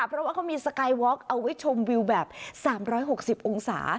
เพราะว่าเขามีสกายวอคเอาไว้ชมวิวแบบ๓๖๐องศา